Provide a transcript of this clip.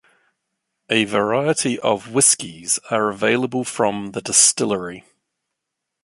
A variety of whiskies are available from the distillery.